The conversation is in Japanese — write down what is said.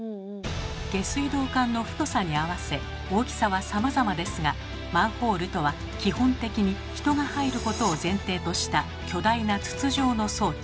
下水道管の太さに合わせ大きさはさまざまですがマンホールとは基本的に人が入ることを前提とした巨大な筒状の装置。